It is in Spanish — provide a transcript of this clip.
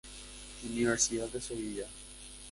Universidad de Sevilla.